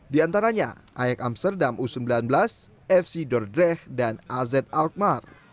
di antaranya ayak amsterdam u sembilan belas fc dordreh dan az alpmar